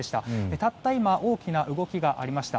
たった今大きな動きがありました。